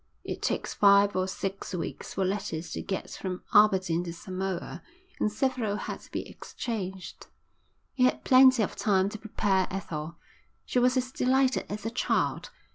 It takes five or six weeks for letters to get from Aberdeen to Samoa, and several had to be exchanged. He had plenty of time to prepare Ethel. She was as delighted as a child.